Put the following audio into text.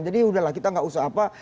jadi sudah lah kita tidak usah apa